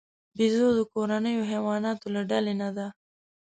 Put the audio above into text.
بیزو د کورنیو حیواناتو له ډلې نه دی.